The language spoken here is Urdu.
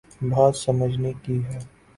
بات سمجھنے کی ہے۔